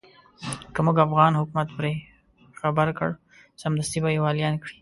که موږ افغان حکومت پرې خبر کړ سمدستي به يې واليان کړي.